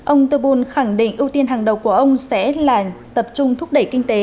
ông tobul khẳng định ưu tiên hàng đầu của ông sẽ là tập trung thúc đẩy kinh tế